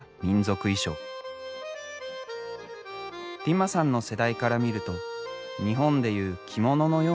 ディマさんの世代から見ると日本でいう着物のような感じらしい。